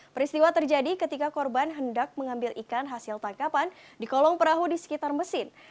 peristiwa terjadi ketika korban hendak mengambil ikan hasil tangkapan di kolong perahu di sekitar mesin